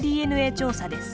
ＤＮＡ調査です。